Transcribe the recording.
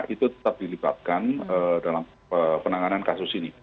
itu tetap dilibatkan dalam penanganan kasus ini